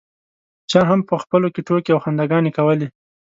چا هم په خپلو کې ټوکې او خنداګانې کولې.